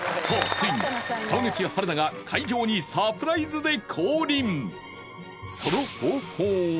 ついに川口春奈が会場にサプライズで降臨あ